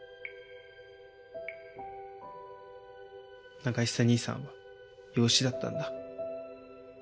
永久兄さんは養子だったんだ。